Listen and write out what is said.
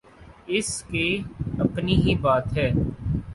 اس کی اپنی ہی بات ہے۔